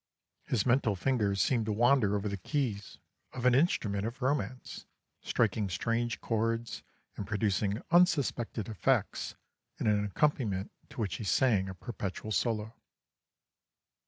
His mental fingers seemed to wander over the keys of an instrument of romance, striking strange chords and producing unsuspected effects in an accompaniment to which he sang a perpetual solo.